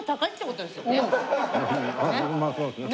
まあそうですね。